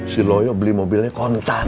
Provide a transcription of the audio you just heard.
si loyo beli mobilnya kontak